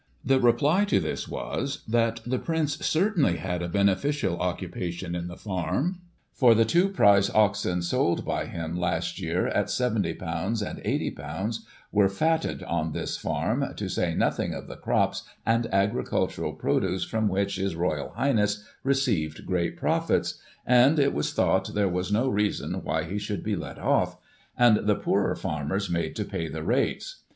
The reply to this was, that the Prince certainly had a beneficial occupation in the farm, for the two prize oxen sold by him, last year, at £yo and £iOy were fatted on this farm, to say nothing of the crops cUid agricultural produce, from which His Royal Highness received great profits, and it was thought there was no reason why he should be let off, and the poorer farmers made to pay the rates.